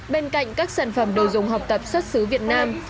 bên cạnh các sản phẩm đồ dùng học tập xuất xứ việt nam